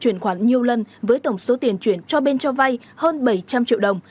chuyển khoản nhiều lần với tổng số tiền chuyển cho bên cho vay hơn bảy trăm linh triệu đồng